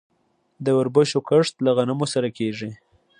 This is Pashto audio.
د وربشو کښت له غنمو سره کیږي.